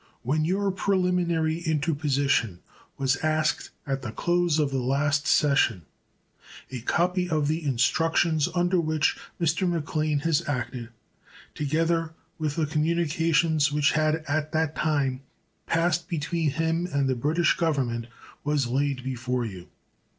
When your preliminary interposition was asked at the close of the last session, a copy of the instructions under which Mr. McLane has acted, together with the communications which had at that time passed between him and the British Government, was laid before you.